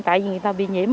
tại vì người ta bị nhiễm